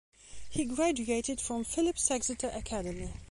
He graduated from Phillips Exeter Academy.